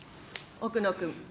奥野君。